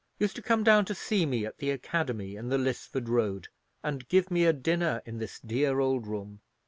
—used to come down to see me at the academy in the Lisford Road, and give me a dinner in this dear old room.